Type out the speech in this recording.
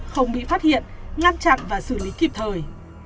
không bị phát hiện ngăn chặn và xử lý kịp thời